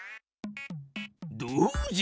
どうじゃ？